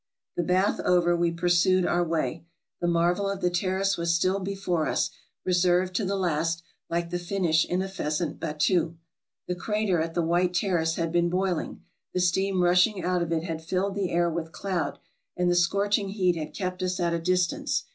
The bath over, we pursued our way. The marvel of the Terrace was still before us, reserved to the last, like the finish in a pheasant battue. The crater at the White Ter race had been boiling; the steam rushing out of it had filled the air with cloud, and the scorching heat had kept us at a distance.